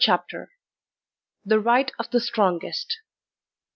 CHAPTER III. The Right of the Strongest.